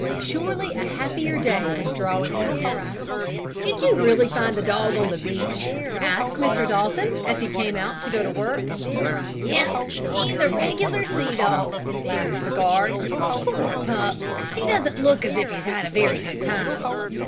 Surely a happier day was dawning for him. "Did you really find the dog on the beach?" asked Mr. Dalton, as he came out to go to work. "Yes, he's a regular sea dog!" laughed the guard. "Poor pup! He doesn't look as if he'd had a very good time.